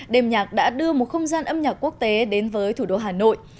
đêm nhạc đã đưa một không gian âm nhạc quốc tế đến với thủ đô hà nội